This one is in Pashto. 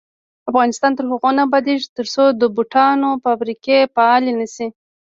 افغانستان تر هغو نه ابادیږي، ترڅو د بوټانو فابریکې فعالې نشي.